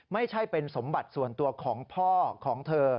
ไม่ใช่เป็นสมบัติส่วนตัวของพ่อของเธอ